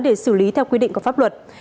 để xử lý theo quy định của pháp luật